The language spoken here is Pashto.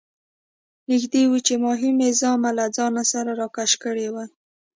نږدې وو چې ماهي مې زامه له ځان سره راکش کړې وای.